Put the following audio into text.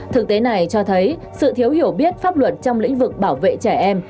thực tế này cho thấy sự thiếu hiểu biết pháp luật trong lĩnh vực bảo vệ trẻ em